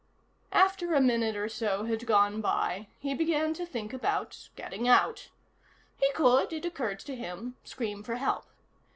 After a minute or so had gone by he began to think about getting out. He could, it occurred to him, scream for help.